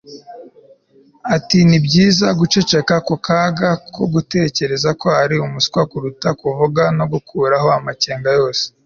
ati ni byiza guceceka ku kaga ko gutekereza ko ari umuswa, kuruta kuvuga no gukuraho amakenga yose